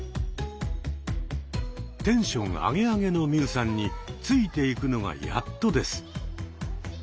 テンションアゲアゲの海さんについていくのがやっとです。